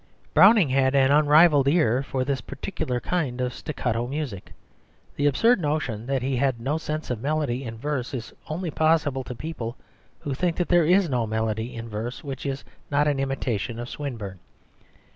Browning had an unrivalled ear for this particular kind of staccato music. The absurd notion that he had no sense of melody in verse is only possible to people who think that there is no melody in verse which is not an imitation of Swinburne.